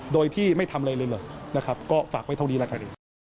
โดยที่ไม่ทำอะไรเลยนะครับก็ฝากไว้เท่านี้แล้วกัน